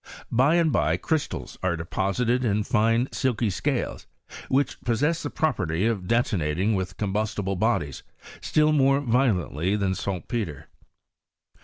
By and by crystals are deposited in fine silky scales, which possess the property of detonating with combustible bodies sllU more violently than saltpetre.